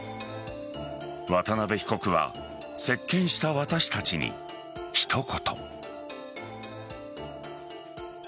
渡辺被告は接見した私たちに一言。